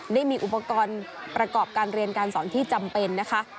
ได้มีอุปกรณ์ประกอบการเรียนการสอนที่จำเป็นนะคะ